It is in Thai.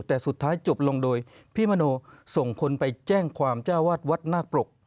แต่สุดท้ายจบลงโดยพี่มโนส่งคนไปแจ้งความเจ้าวาดวัดนาคปรก